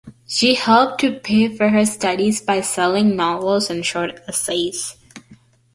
She helped to pay for her studies by selling novels and short essays.